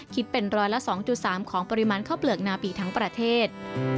คิดเป็นร้อยละ๒๓ของปริมาณข้าวเปลือกนาปีทั้งประเทศ